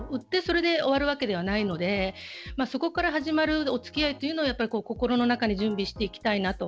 売って、それで終わるわけではないので、そこから始まるお付き合いというのは心の中に準備していきたいなと。